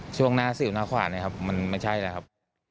ช่วงหน้าสิวหน้าขวาเนี่ยครับมันไม่ใช่แล้วครับ